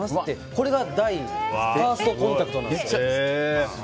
これがファーストコンタクトなんです。